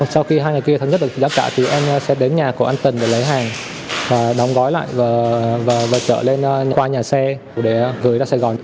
sau khi hai nhà kia thắng nhất được giá trả thì em sẽ đến nhà của anh tần để lấy hàng và đóng gói lại và trở lên khoa nhà xe để gửi ra sài gòn